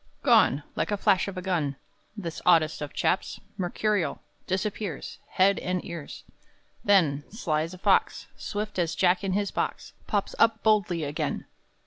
II. Gone! like the flash of a gun! This oddest of chaps, Mercurial, Disappears Head and ears! Then, sly as a fox, Swift as Jack in his box, Pops up boldly again!